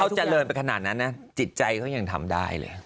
เขาเจริญไปขนาดนั้นนะจิตใจเขายังทำได้เลย